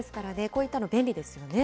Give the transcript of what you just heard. こういったの便利ですよね。